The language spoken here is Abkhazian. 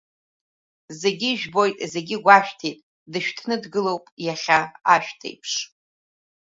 Зегьы ижәбоит, зегьы игәашәҭеит, дышәҭны дгылоуп, иахьа ашәҭ еиԥш…